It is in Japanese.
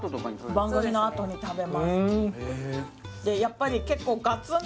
番組のあとに食べます